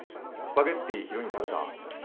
スパゲッティ昼に食べた。